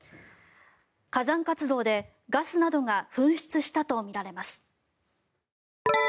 火山活動で、ガスなどが噴出したとみられます。